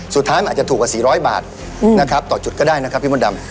สุดท้ายมันอาจจะถูกกว่า๔๐๐บาทนะครับต่อจุดก็ได้นะครับพี่มดดำ